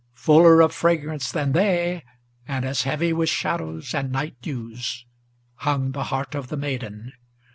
Fuller of fragrance than they, and as heavy with shadows and night dews, Hung the heart of the maiden.